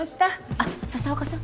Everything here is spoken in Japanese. あっ笹岡さん。